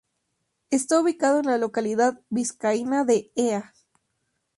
Está ubicado en la localidad vizcaína de Ea.